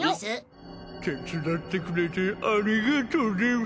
手伝ってくれてありがとうでふ。